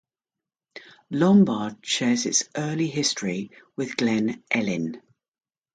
Lombard shares its early history with Glen Ellyn.